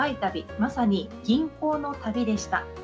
まさに吟行の旅でした。